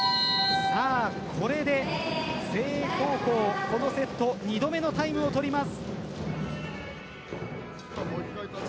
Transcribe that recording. これで誠英高校このセット２度目のタイムを取ります。